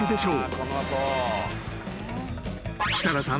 ［設楽さん。